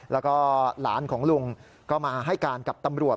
แล้วก็หลานของลุงก็มาให้การกับตำรวจ